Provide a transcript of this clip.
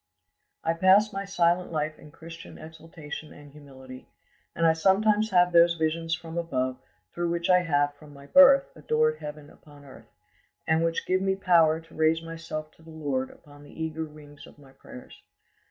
I pass my silent life in Christian exaltation and humility, and I sometimes have those visions from above through which I have, from my birth, adored heaven upon earth, and which give me power to raise myself to the Lord upon the eager wings of my prayers.